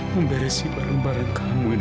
memberesi barang barang kamu ina